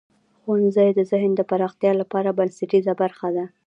ښوونځی د ذهن د پراختیا لپاره بنسټیزه برخه ده.